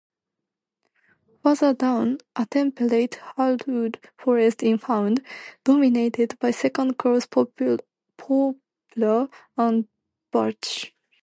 Further down, a temperate hardwood forest is found, dominated by second-growth poplar and birch.